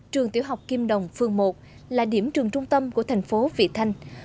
trường tiểu học kim đồng phường một là điểm trường trung tâm của tp vị thanh